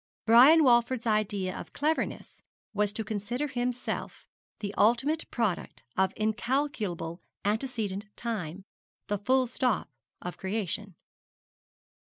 Brian Walford's idea of cleverness was to consider himself the ultimate product of incalculable antecedent time, the full stop of creation.